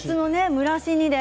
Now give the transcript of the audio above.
蒸らし煮で。